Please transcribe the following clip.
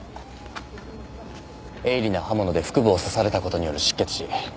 鋭利な刃物で腹部を刺された事による失血死。